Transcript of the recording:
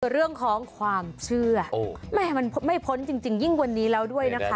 เรื่องของความเชื่อแม่มันไม่พ้นจริงยิ่งวันนี้แล้วด้วยนะคะ